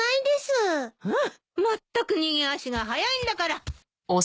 まったく逃げ足が速いんだから。